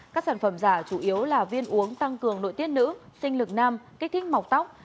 các sản phẩm giả chủ yếu là viên uống tăng cường nội tiết nữ sinh lực nam kích thích mọc tóc